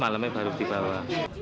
malamnya baru dibawa